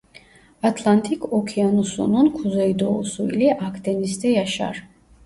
Atlantik Okyanusu'nun kuzeydoğusu ile Akdeniz'de yaşar.